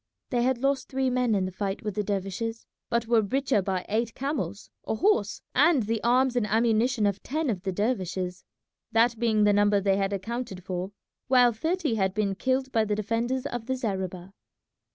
They had lost three men in the fight with the dervishes, but were the richer by eight camels, a horse, and the arms and ammunition of ten of the dervishes, that being the number they had accounted for, while thirty had been killed by the defenders of the zareba.